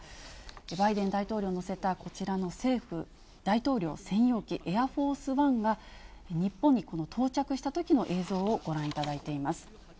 バイデン大統領を乗せたこちらの大統領専用機、エアフォースワンが、日本に到着したときの映像をご覧いただいています。